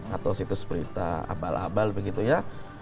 atau situs berita abal abal begitu ya